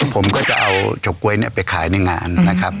ผมก็จะเอาเฉาก๊วยไปขายในงานนะครับ